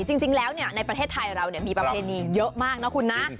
จริงแล้วในประเทศไทยเรามีประเพณีเยอะมากนะคุณนะ